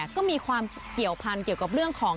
ก็มีความเกี่ยวพันธุ์เกี่ยวกับเรื่องของ